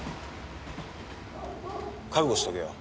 覚悟しておけよ。